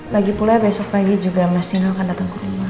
lagi pula besok pagi juga mas dino akan datang ke rumah